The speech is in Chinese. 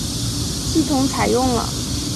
系统采用了。